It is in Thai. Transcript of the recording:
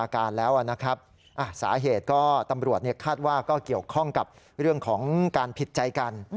ก็เกี่ยวข้องกับเรื่องของการผิดใจกัน